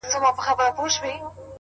په زړه يې هر نقش سوی تور د قرآن وځي;